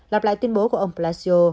lặp lại tuyên bố của ông palacio